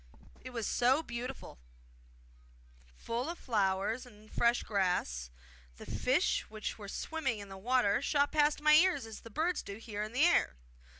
It was so beautiful, full of flowers and fresh grass; the fishes which were swimming in the water shot past my ears as the birds do here in the air.